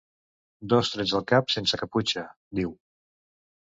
“Dos trets al cap sense caputxa”, diu.